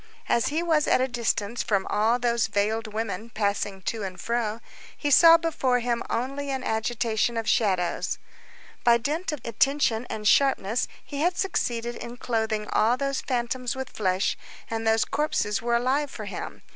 As he was at a distance from all those veiled women passing to and fro, he saw before him only an agitation of shadows. By dint of attention and sharpness he had succeeded in clothing all those phantoms with flesh, and those corpses were alive for him.